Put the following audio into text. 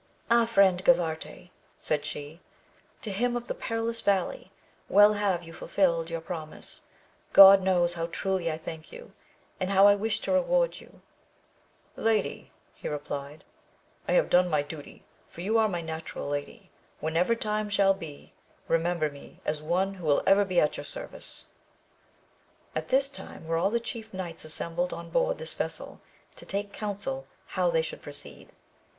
Ah, friend Gavarte, said she, to him of the perilous valley, well have you fulfilled your promise, God knows how truly I thank you, and how I wish to reward you ? Lady, he replied, I have done my duty, for you are my natural lady. Whenever time shall be, remember me as one who will be ever at your service. At this time were all the chief knights assembled on board this vessel, to take counsel how they should proceed.